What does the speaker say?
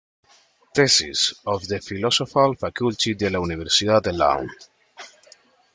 Tesis... of the Philosophical Faculty de la Universidad de Lund.